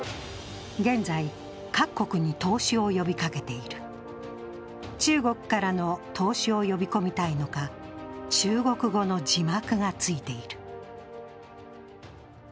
現在、各国に投資を呼びかけている中国からの投資を呼び込みたいのか、中国語の字幕がついている。